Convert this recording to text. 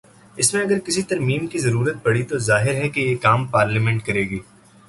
اس میں اگر کسی ترمیم کی ضرورت پڑی تو ظاہر ہے کہ یہ کام پارلیمنٹ کر ے گی۔